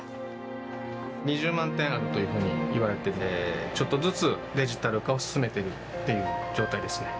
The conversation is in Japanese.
２０万点あるというふうにいわれててちょっとずつデジタル化を進めてるっていう状態ですね。